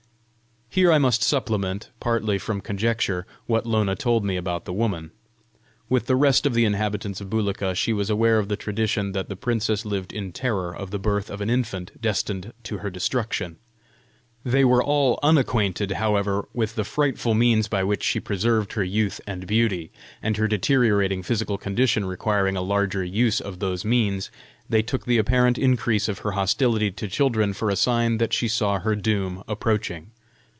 Here I must supplement, partly from conjecture, what Lona told me about the woman. With the rest of the inhabitants of Bulika, she was aware of the tradition that the princess lived in terror of the birth of an infant destined to her destruction. They were all unacquainted, however, with the frightful means by which she preserved her youth and beauty; and her deteriorating physical condition requiring a larger use of those means, they took the apparent increase of her hostility to children for a sign that she saw her doom approaching.